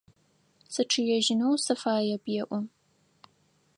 Сычъыежьынэу сыфаеп, – elo.